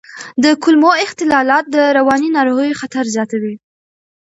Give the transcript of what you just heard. د کولمو اختلالات د رواني ناروغیو خطر زیاتوي.